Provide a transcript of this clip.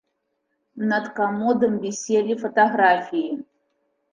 Над камодам віселі фатаграфіі.